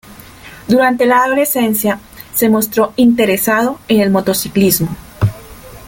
Durante la adolescencia, se mostró interesado en el motociclismo.